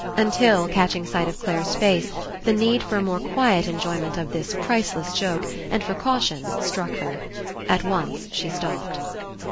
Until, catching sight of Clare's face, the need for a more quiet enjoy ment of this priceless joke, and for caution, struck her. At once she stopped.